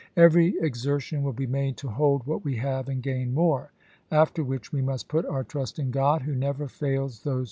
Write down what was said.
Every exertion will be made to hold what we have and gain more. After which to°uncoin, Oct. 12. we must put our trust in God, who never fails those isea.